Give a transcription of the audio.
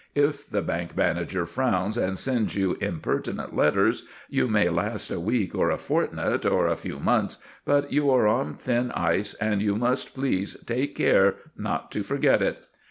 If the bank manager frowns and sends you impertinent letters, you may last a week or a fortnight or a few months, but you are on thin ice, and you must please take care not to forget it.